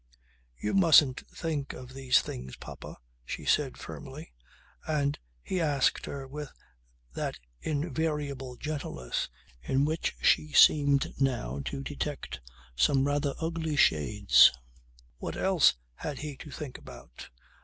"You mustn't think of these things, papa," she said firmly. And he asked her with that invariable gentleness, in which she seemed now to detect some rather ugly shades, what else had he to think about?